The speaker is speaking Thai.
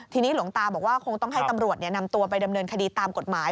ทีนี้หลวงตาบอกว่าคงต้องให้ตำรวจนำตัวไปดำเนินคดีตามกฎหมาย